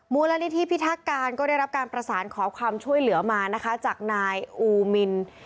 มูลนิธิพิทักการก็ได้รับการประสานขอความช่วยเหลือมานะคะจากนายอูมิน